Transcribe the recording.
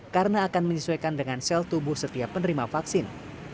karena akan menyesuaikan dengan sel tubuh setiap penerima vaksin